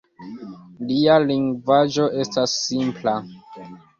Lia lingvaĵo estas simpla.